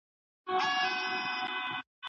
د ښځي عورت ته څوک کتلای سي؟